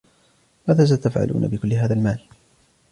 ماذا ستفعلون بكل هذا المال ؟